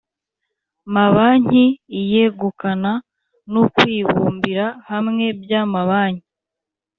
mabanki iyegukana n ukwibumbira hamwe by amabanki